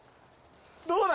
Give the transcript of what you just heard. どうだ？